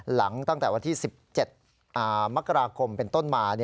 หลังตั้งแต่วันที่๑๗มกราคมเป็นต้นหมา